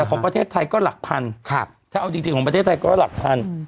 แต่ของประเทศไทยก็หลักพันธุ์ครับถ้าเอาจริงจริงของประเทศไทยก็หลักพันธุ์